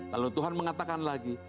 lalu tuhan mengatakan lagi